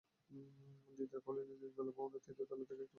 দিদার কলোনির তিনতলা ভবনের তৃতীয় তলায় একটি বাসায় ভাড়া থাকতেন তাঁরা।